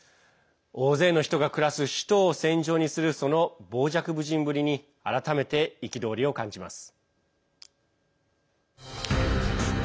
大勢の人が暮らす首都を戦場にするその傍若無人ぶりに改めて憤りを感じます。